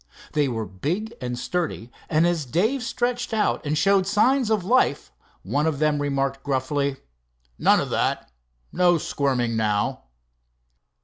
They were big and sturdy, and as Dave stretched out and showed signs of life, one of them remarked gruffly. "None of that no squirming, now."